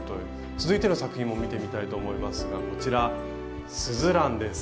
続いての作品も見てみたいと思いますがこちら「すずらん」です。